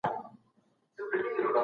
موږ د بشپړتیا پړاو ته ځو.